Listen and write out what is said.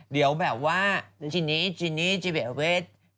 เดี๋ยวแบบว่าจินิจินี่จิเวท